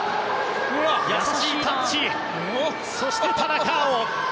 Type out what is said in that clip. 優しいタッチそして田中碧！